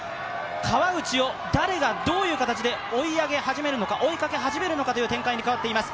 川内を誰がどういう形で追いかけ始めるのかという展開に変わっています。